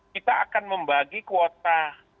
kita akan membagi kuota